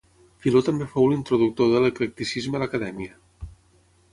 Filó també fou l'introductor de l'eclecticisme a l'Acadèmia.